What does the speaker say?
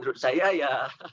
menurut saya ya